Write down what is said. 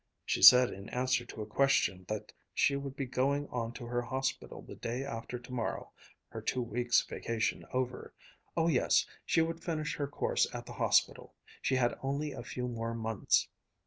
She said in answer to a question that she would be going on to her hospital the day after tomorrow her two weeks' vacation over oh yes, she would finish her course at the hospital; she had only a few more months.